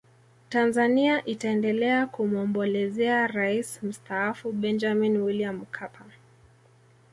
tanzania itaendelea kumwombolezea rais mstaafu benjamin william mkapa